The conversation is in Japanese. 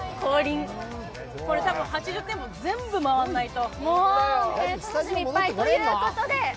これ、たぶん８０店舗、全部回らないと。